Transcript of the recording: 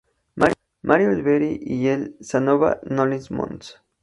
Mario Oliveri y el de Savona-Noli Mons.